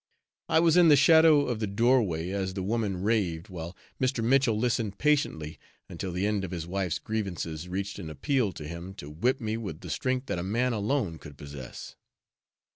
I was in the shadow of the doorway as the woman raved, while Mr. Mitchell listened patiently until the end of his wife's grievances reached an appeal to him to whip me with the strength that a man alone could possess.